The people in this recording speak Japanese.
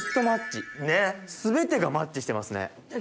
全てがマッチしてますね。